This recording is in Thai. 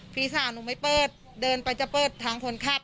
พี่สาวหนูไม่เปิดเดินไปจะเปิดทางคนขับ